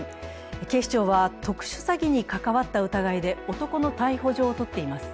警視庁は、特殊詐欺に関わった疑いで男の逮捕状を取っています。